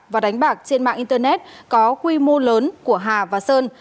và đánh bạc trên mạng internet có quy mô lớn của hà và sơn